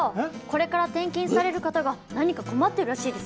これから転勤される方が何か困ってるらしいですよ。